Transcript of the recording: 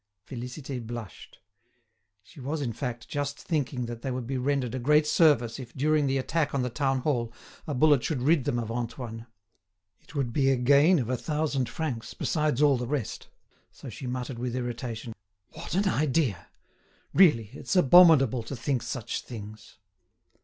Félicité blushed. She was, in fact, just thinking that they would be rendered a great service, if, during the attack on the town hall, a bullet should rid them of Antoine. It would be a gain of a thousand francs, besides all the rest. So she muttered with irritation: "What an idea! Really, it's abominable to think such things!"